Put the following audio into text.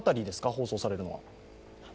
放送されるのは。